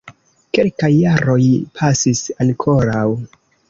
Kelkaj jaroj pasis ankoraŭ.